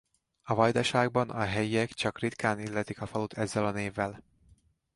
A Vajdaságban a helyiek csak ritkán illetik a falut ezzel a névvel.